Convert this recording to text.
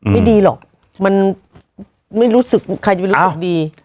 ไม่ดีหรอกมันไม่รู้สึกใครจะไปรู้สึกดี